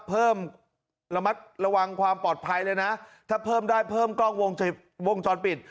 เพิ่มระมัดระวังความปลอดภัยเลยนะถ้าเพิ่มได้เพิ่มกล้องวงจรปิด